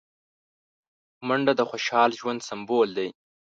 منډه د خوشحال ژوند سمبول دی